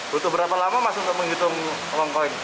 butuh berapa lama mas untuk menghitung uang koin